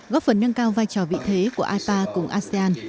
góp phần nâng cao vai trò vị thế của ipa cùng asean